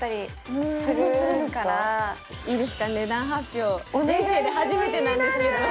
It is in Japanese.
値段発表人生で初めてなんですけど。